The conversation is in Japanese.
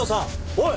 おい！